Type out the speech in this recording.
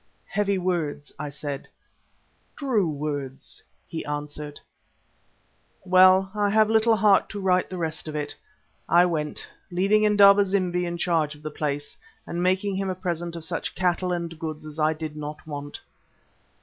"Heavy words," I said. "True words," he answered. Well, I have little heart to write the rest of it. I went, leaving Indaba zimbi in charge of the place, and making him a present of such cattle and goods as I did not want.